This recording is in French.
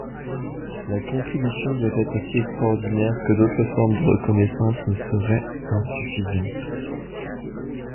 La contribution doit être si extraordinaire que d'autres formes de reconnaissance ne seraient insuffisantes.